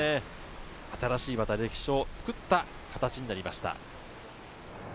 新しい歴史を作った形になりました。